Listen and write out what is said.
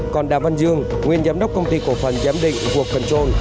còn đàm văn dương nguyên giám đốc công ty cổ phần giám định world control